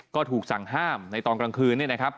ก็ถูกสั่งห้ามในตอนกลางคืนเนี่ยนะครับ